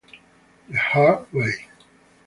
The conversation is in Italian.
The Hard Way